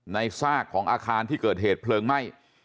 ซากของอาคารที่เกิดเหตุเพลิงไหม้